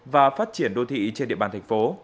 và phát triển đô thị trên địa bàn thành phố